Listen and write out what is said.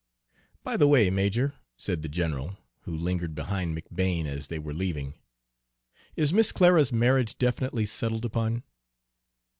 "By the way, major," said the general, who lingered behind McBane as they were leaving, "is Miss Clara's marriage definitely settled upon?"